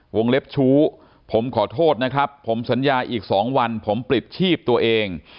เล็บชู้ผมขอโทษนะครับผมสัญญาอีก๒วันผมปลิดชีพตัวเอง